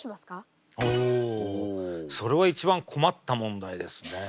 おそれは一番困った問題ですね。